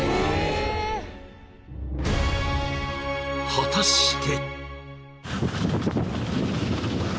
［果たして］